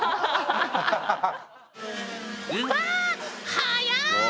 速い！